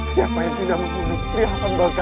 siapa yang sudah membunuh pria hamba katakan